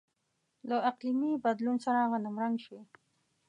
له اقلیمي بدلون سره غنمرنګ شوي.